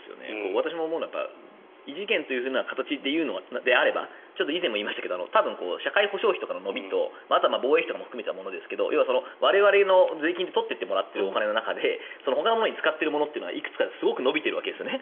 私も思うのは異次元という形で言うのであれば以前も言いましたが社会保障費とかの伸びとあとは防衛費とかも含めたものですが我々の税金で取っていってもらってるお金の中でほかのものに使っているものはいくつかすごい伸びているわけですね。